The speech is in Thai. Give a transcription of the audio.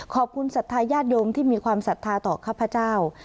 ขอบคุณศัฒนายาดโยมที่มีความศัฒนาต่อข้าพเจ้า